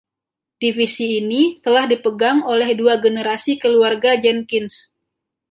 Divisi ini telah dipegang oleh dua generasi keluarga Jenkins.